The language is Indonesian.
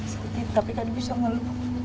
sakit tapi kan bisa melu